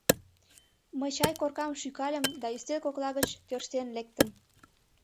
Мый чай коркам шӱкальым да ӱстел кокла гыч тӧрштен лектым.